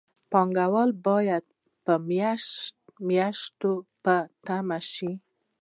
پانګوال باید په میاشتو میاشتو په تمه شي